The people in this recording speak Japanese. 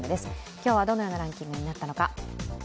今日はどのようなランキングになったのか。